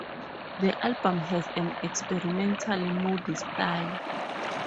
The album has an experimental, moody style.